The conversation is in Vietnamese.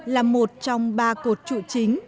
là một trong ba cột trụ chính